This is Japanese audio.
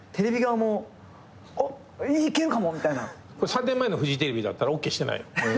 ３年前のフジテレビだったらＯＫしてないよ。